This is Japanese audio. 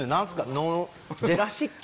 ノージュラシック？